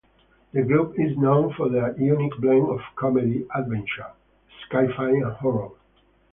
The group is known for their unique blend of comedy, adventure, sci-fi and horror.